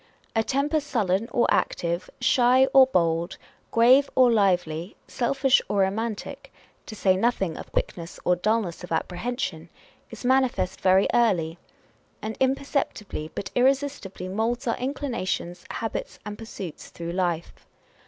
A temper sullen or active, shy or bold, grave or lively, selfish or romantic (to say nothing of quickness or dullness of apprehension) is manifest very early ; and imperceptibly but irresistibly moulds â€¢our inclinations, habits, and pursuits through life.